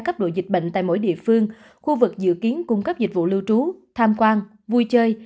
cấp độ dịch bệnh tại mỗi địa phương khu vực dự kiến cung cấp dịch vụ lưu trú tham quan vui chơi